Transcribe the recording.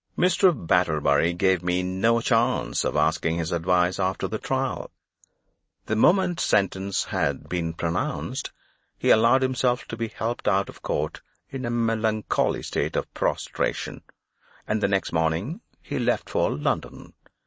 Mr. Batterbury gave me no chance of asking his advice after the trial. The moment sentence had been pronounced, he allowed himself to be helped out of court in a melancholy state of prostration, and the next morning he left for London.